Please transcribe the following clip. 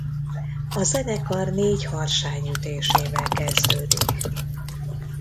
A zenekar négy harsány ütésével kezdődik.